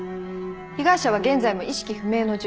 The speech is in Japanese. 被害者は現在も意識不明の重体。